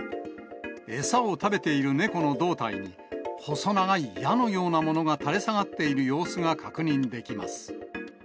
餌を食べている猫の胴体に、細長い矢のようなものが垂れ下がっている様子が確認できます。